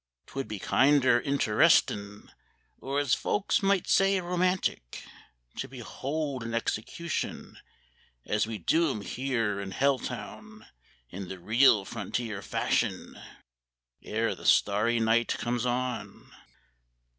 'Twould be kinder interestin', Or, as folks might say, romantic, To behold an execution, As we do 'em here in Hell Town, In the real frontier fashion, Ere the starry night comes on."